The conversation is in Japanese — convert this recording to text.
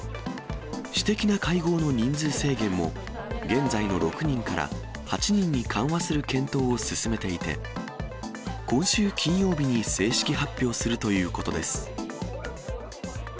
私的な会合の人数制限も、現在の６人から８人に緩和する検討を進めていて、今週金曜日に正式発表するということです。